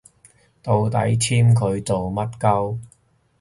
到底簽佢做乜 𨳊